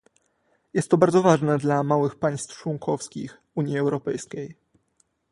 Jest to bardzo ważne dla małych państw członkowskich Unii Europejskiej